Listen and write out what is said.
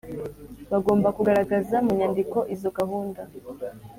bagomba kugaragaza mu nyandiko izo gahunda